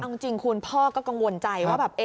เอาจริงคุณพ่อก็กังวลใจว่าแบบ